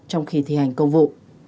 trong khi thi hành công vụ